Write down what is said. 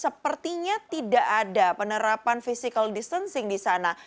sepertinya tidak ada penerapan physical distancing di sana